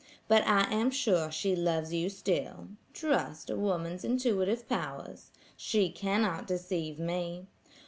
But I am sure she loves you still. Trust a woman's intuitive powers. She cannot deceive me.